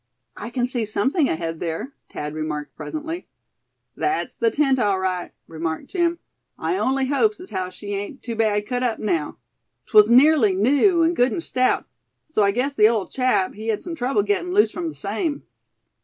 "I can see something ahead there," Thad remarked, presently. "That's the tent, all right," remarked Jim. "I only hopes as how she ain't too bad cut up now. 'Twas nearly new, and good, and stout; so I guess the ole chap he had some trouble gettin' loose from the same."